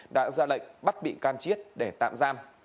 đã ra lệnh bắt bị can chiết để tạm giam